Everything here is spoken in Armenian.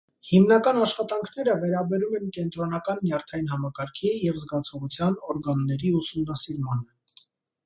Հիմնական աշխատանքները վերաբերում են կենտրոնական նյարդային համակարգի և զգացողության օրգանների ուսումնասիրմանը։